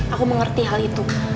aku mengerti hal itu